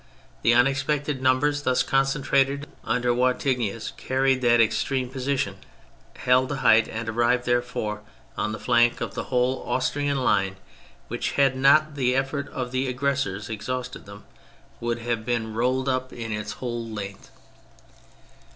The unexpected numbers thus concentrated under Wattignies carried that extreme position, held the height, and arrived, therefore, on the flanlc of the whole Austrian line, which, had not the effort of the aggressors exhausted them, would have been rolled up 202 THE FRENCH REVOLUTION in its whole length.